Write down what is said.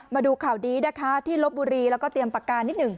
มาดูข่าวนี้นะคะที่ลบบุรีแล้วก็เตรียมปากการนิดหนึ่ง